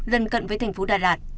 gần cận với thành phố đà lạt